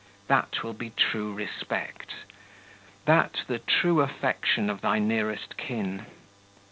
That will be true respect, that the true affection of thy nearest kin.